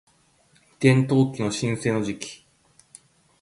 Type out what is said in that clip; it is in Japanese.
移転登記の申請の時期